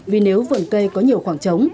vì nếu vườn cây có nhiều khoảng trống